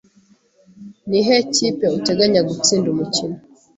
Nihe kipe uteganya gutsinda umukino?